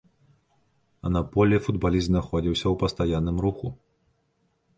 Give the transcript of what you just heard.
На полі футбаліст знаходзіўся ў пастаянным руху.